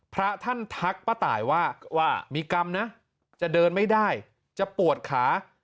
พระท่านทักป้าตายว่าว่ามีกรรมนะจะเดินไม่ได้จะปวดขา